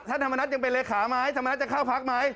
ธรรมนัฐยังเป็นเลขาไหมธรรมนัฐจะเข้าพักไหม